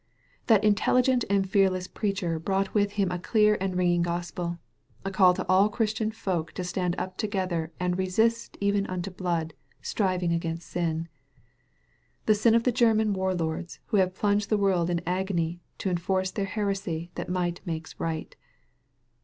That intelligent and fearless preacher brought with him a clear and ringing gospel, a call to all Christian folk to stand up together and '"re sist even unto blood, striving against sin" — the sin of the German war lords who have plunged the world in agony to enforce their heresy that Might makes Bight.